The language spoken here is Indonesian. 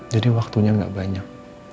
jadi waktunya nggak banyak